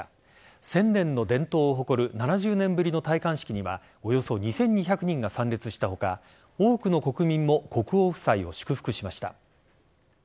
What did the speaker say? １０００年の伝統を誇る７０年ぶりの戴冠式にはおよそ２２００人が参列した他多くの国民も国王夫妻を祝福しました。